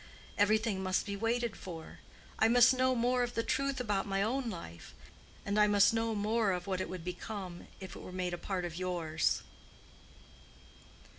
Everything must be waited for. I must know more of the truth about my own life, and I must know more of what it would become if it were made a part of yours."